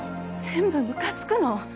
全部むかつくの！